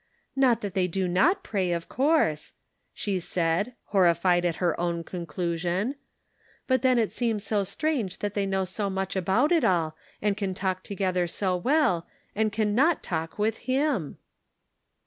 " Not that they do not pray, of course !" she said, horrified at her own conclusion. " But then it seems so strange that they know so much about it all, and can talk together so well, and can not talk with Him